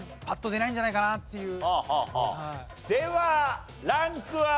ではランクは？